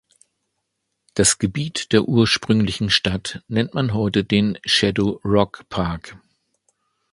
Das Gebiet der ursprünglichen Stadt nennt man heute den "Shadow Rock Park".